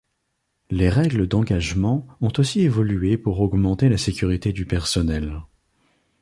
Les règles d'engagement ont aussi évolué pour augmenter la sécurité du personnel.